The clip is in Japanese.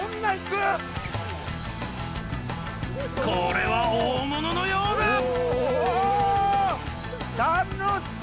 これは大物のようだ！